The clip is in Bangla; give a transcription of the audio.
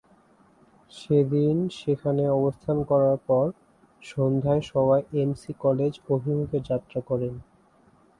সেদিন সেখানে অবস্থান করার পর সন্ধ্যায় সবাই এমসি কলেজ অভিমুখে যাত্রা করেন।